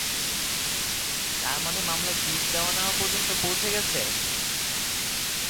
তার মানে মামলা গিফট দেওয়া নেওয়া পর্যন্ত পৌঁছে গেছে!